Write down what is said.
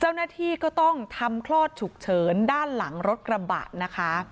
เจ้าหน้าที่ก็ต้องทำคลอดฉุกเฉินด้านหลังรถกระบะนะคะ